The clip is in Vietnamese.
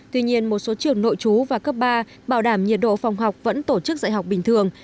tuy nhiên một số trường nội trú và cấp ba bảo đảm nhiệt độ phòng học vẫn tổ chức dạy học bình thường